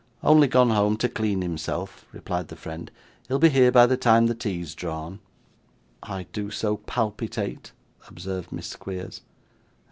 'Only gone home to clean himself,' replied the friend. 'He will be here by the time the tea's drawn.' 'I do so palpitate,' observed Miss Squeers.